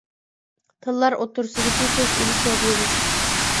تىللار ئوتتۇرىسىدىكى سۆز ئېلىش ۋە بېرىش.